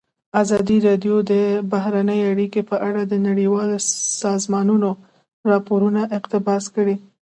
ازادي راډیو د بهرنۍ اړیکې په اړه د نړیوالو سازمانونو راپورونه اقتباس کړي.